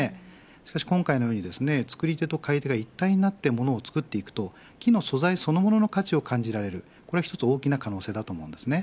しかし今回のように作り手と買い手が一体になって物を作ると木の素材そのものの価値を感じられるこれは一つ大きな可能性だと思うんです。